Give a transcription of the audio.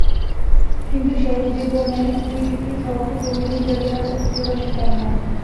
কিন্তু শেষ জীবনে দুইটি পৃথক যৌন নির্যাতনের অভিযোগ আসে তার নামে।